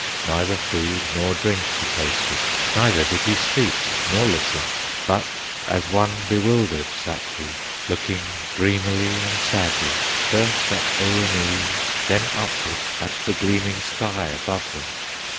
Neither food nor drink he tasted, Neither did he speak nor listen; But as one bewildered sat he, Looking dreamily and sadly, First at Oweenee, then upward At the gleaming sky above them.